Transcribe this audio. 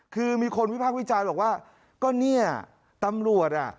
คือมีคนวิพากษ์วิจารณ์บอกว่าก็เนี่ยตำรวจอ่ะ